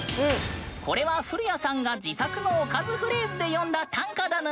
これは古谷さんが自作のおかずフレーズで詠んだ短歌だぬ！